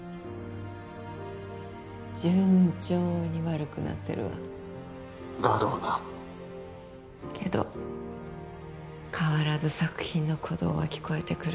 順調に悪くなってるわだろうなけど変わらず作品の鼓動は聞こえてくる